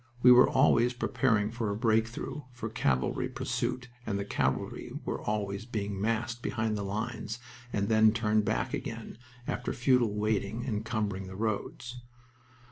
We were always preparing for a "break through" for cavalry pursuit, and the cavalry were always being massed behind the lines and then turned back again, after futile waiting, encumbering the roads.